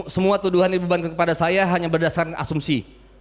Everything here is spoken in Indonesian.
semua tuduhan dibebankan kepada saya hanya berdasarkan asumsi